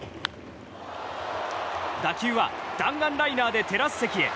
打球は弾丸ライナーでテラス席へ。